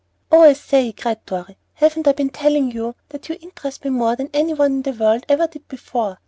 "Oh, I say!" cried Dorry, "haven't I been telling you that you interest me more than any one in the world ever did before?